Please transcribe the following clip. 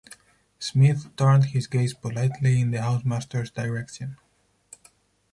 Smith turned his gaze politely in the housemaster's direction.